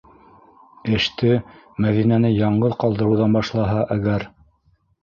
Эште Мәҙинәне яңғыҙ ҡалдырыуҙан башлаһа әгәр?